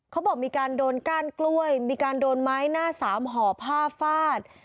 เขาบอกมีการโดนก้านกล้วยมีการโดนไม้หน้าสามห่อผ้าฟาด